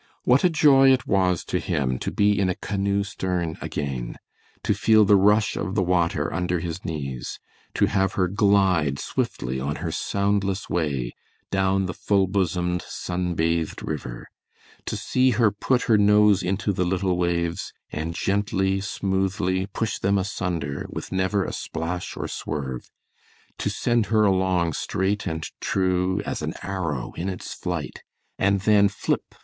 What a joy it was to him to be in a canoe stern again; to feel the rush of the water under his knees; to have her glide swiftly on her soundless way down the full bosomed, sunbathed river; to see her put her nose into the little waves and gently, smoothly push them asunder with never a splash or swerve; to send her along straight and true as an arrow in its flight, and then flip!